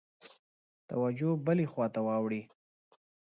توجه بلي خواته واوړي.